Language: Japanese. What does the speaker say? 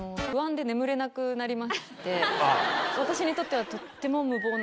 私にとっては。